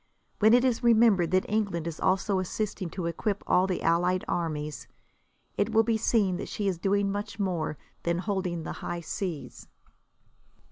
When it is remembered that England is also assisting to equip all the allied armies, it will be seen that she is doing much more than holding the high seas.